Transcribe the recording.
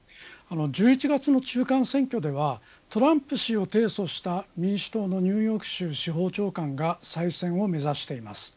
１１月の中間選挙ではトランプ氏を提訴した民主党のニューヨーク州司法長官が再選を目指しています。